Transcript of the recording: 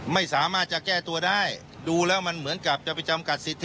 ไม่สามารถจะแก้ตัวได้ดูแล้วมันเหมือนกับจะไปจำกัดสิทธิ